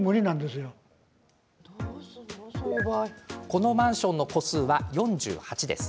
このマンションの戸数は４８です。